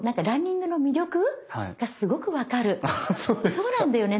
そうなんだよね。